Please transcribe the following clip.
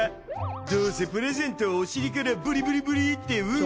どうせプレゼントをお尻からブリブリブリってウン。